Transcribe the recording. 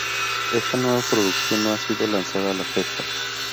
Esta nueva producción no ha sido lanzada a la fecha.